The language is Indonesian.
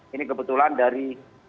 ini kebetulan dari